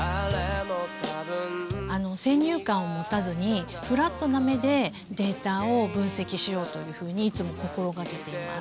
先入観を持たずにフラットな目でデータを分析しようというふうにいつも心がけています。